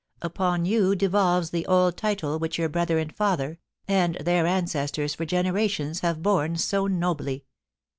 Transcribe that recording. Upon you devolves the old title which your brother and father, and their ancestors for gene rations, have borne so nobly.